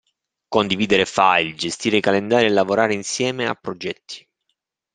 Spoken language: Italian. Condividere file, gestire calendari e lavorare insieme a progetti.